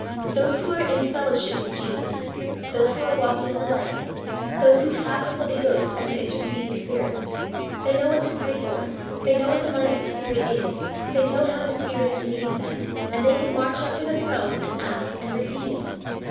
Those who are in fellowship with Jesus, those who are walking in the light, those who have the Holy Ghost as an interceding Spirit they know what to pray for; they know what the mind of the Spirit is; they know how the Spirit is leading them, and they can march up to the throne and "ask and receive."